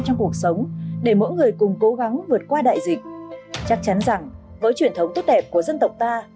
trong cuộc sống để mỗi người cùng cố gắng vượt qua đại dịch chắc chắn rằng với truyền thống tốt đẹp của dân tộc ta